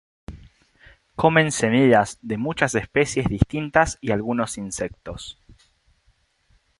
Comen semillas de muchas especies distintas y algunos insectos.